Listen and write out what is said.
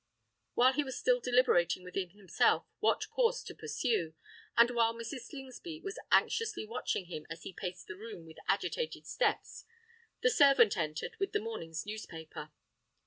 While he was still deliberating within himself what course to pursue, and while Mrs. Slingsby was anxiously watching him as he paced the room with agitated steps, the servant entered with the morning's newspaper.